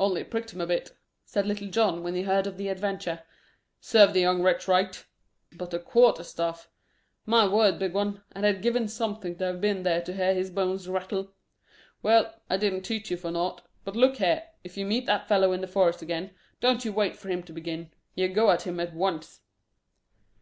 "Only pricked him a bit," said Little John, when he heard of the adventure. "Serve the young wretch right. But the quarter staff. My word, big un, I'd have given something to have been there to hear his bones rattle. Well, I didn't teach you for naught. But look here, if you meet that fellow in the forest again don't you wait for him to begin; you go at him at once."